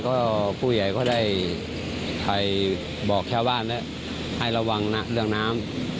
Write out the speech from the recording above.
ก็ผู้ใหญ่ก็ได้ไปบอกชาวบ้านแล้วให้ระวังนะเรื่องน้ำ